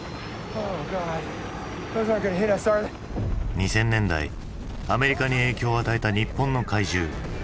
２０００年代アメリカに影響を与えた日本の怪獣。